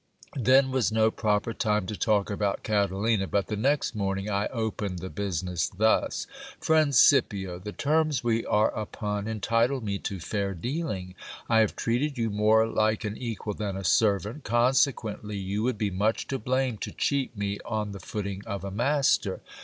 Then was no proper time to talk about Catalina ; but the next morning I 3 o6 GIL BLAS. opened the business thus : Friend Scipio, the terms we are upon entitle me to fair dealing. I have treated you more like an equal than a servant, conse quently you would be much to blame to cheat me on the footing of a master.